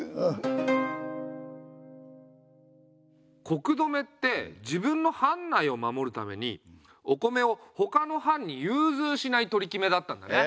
穀留って自分の藩内を守るためにお米をほかの藩にゆうずうしない取り決めだったんだね。